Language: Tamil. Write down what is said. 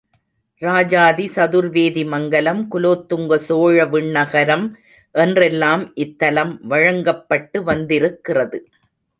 ராஜாதி சதுர்வேதிமங்கலம், குலோத்துங்க சோழவிண்ணகரம் என்றெல்லாம் இத்தலம் வழங்கப்பட்டு வந்திருக்கிறது.